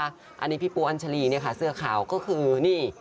อันนี้พี่ปูอัญชาลีเนี่ยค่ะเสื้อขาวก็คือนี่